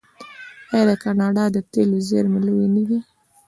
آیا د کاناډا د تیلو زیرمې لویې نه دي؟